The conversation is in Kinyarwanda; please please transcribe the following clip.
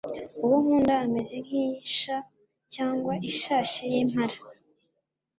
uwo nkunda ameze nk'isha cyangwa ishashi y'impara